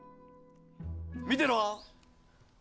見てろ！